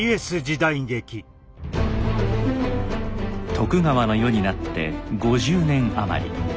徳川の世になって５０年余り。